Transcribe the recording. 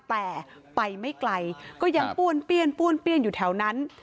แต่ไปไม่ไกลก็ยังป้วนเปรี้ยนอยู่แถวนั้น